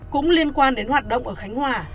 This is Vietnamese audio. cũng liên quan đến hoạt động ở khánh hòa